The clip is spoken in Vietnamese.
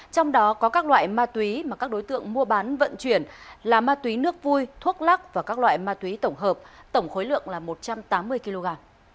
trong đó có các loại ma túy mà các đối tượng mua bán vận chuyển là ma túy nước vui thuốc lắc và các loại ma túy tổng hợp tổng khối lượng là một trăm tám mươi kg